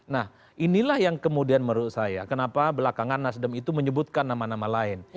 nah inilah yang kemudian menurut saya kenapa belakangan nasdem itu menyebutkan nama nama lain